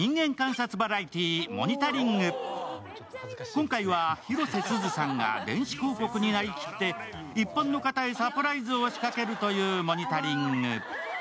今回は広瀬すずさんが電子広告になりきって一般の方にサプライズを仕掛けるというモニタリング。